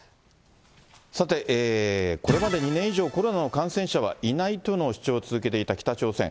さて、これまで２年以上、コロナの感染者はいないという主張を続けてきた北朝鮮。